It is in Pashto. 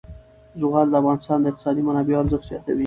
زغال د افغانستان د اقتصادي منابعو ارزښت زیاتوي.